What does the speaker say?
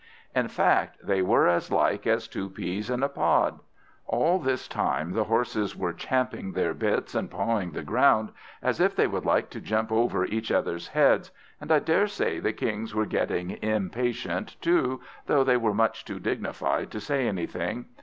In fact, they were as like as two peas in a pod. All this time the horses were champing their bits and pawing the ground, as if they would like to jump over each other's heads; and I daresay the Kings were getting impatient too, though they were much too dignified to say anything.